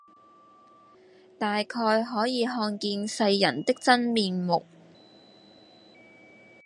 大概可以看見世人的真面目；